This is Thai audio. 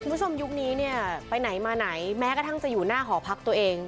ยุคนี้เนี่ยไปไหนมาไหนแม้กระทั่งจะอยู่หน้าหอพักตัวเอง